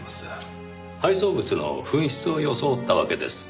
配送物の紛失を装ったわけです。